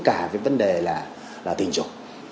cả về vấn đề là tình dục